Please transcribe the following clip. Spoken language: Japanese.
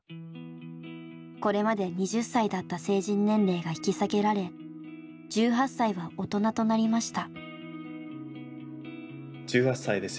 これまで２０歳だった成人年齢が引き下げられ１８歳は大人となりました。